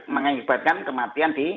mengakibatkan kematian di